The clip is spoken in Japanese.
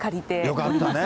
よかったね。